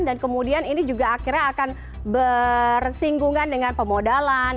dan kemudian ini juga akhirnya akan bersinggungan dengan pemodalan